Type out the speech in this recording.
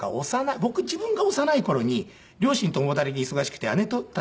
僕自分が幼い頃に両親共働きで忙しくて姉たちとも。